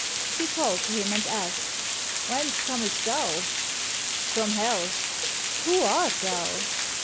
He called to him and asked, "Whence comest thou?" "From hell." "Who art thou?"